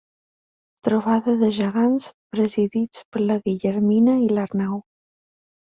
Trobada de gegants, presidits per la Guillermina i l'Arnau.